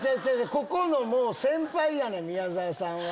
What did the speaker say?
ここの先輩やねん宮沢さんは。